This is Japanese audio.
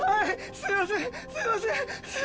すいません